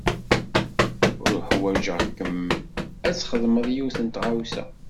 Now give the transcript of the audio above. Uḥwaǧeɣ-kem ad txedmeḍ yiwet n tɣawsa.